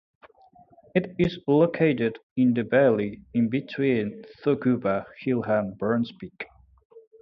It is located in the valley in between Touaguba Hill and Burns Peak.